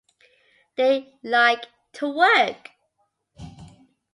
They like to work.